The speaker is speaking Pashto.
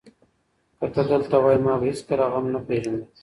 که ته دلته وای، ما به هېڅکله غم نه پېژانده.